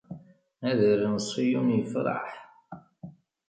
Adrar n Ṣiyun ifreḥ.